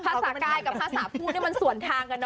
ภาษากายกับภาษาพูดนี่มันส่วนทางกันเน